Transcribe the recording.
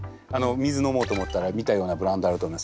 水飲もうと思ったら見たようなブランドあると思います。